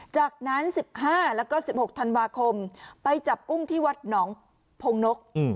จากนั้น๑๕แล้วก็๑๖ธันวาคมไปจับกุ้งที่วัดหนองพงนก